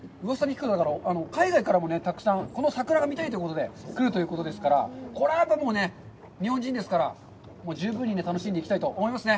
海外からもたくさん、この桜が見たいということで来るということですから、これは、やっぱり、でもね、日本人ですから、十分に楽しんでいきたいと思いますね。